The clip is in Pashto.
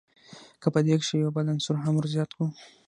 که په دې کښي یو بل عنصر هم ور زیات کو.